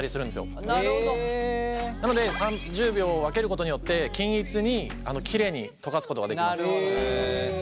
なので３０秒を分けることによって均一にきれいに溶かすことができます。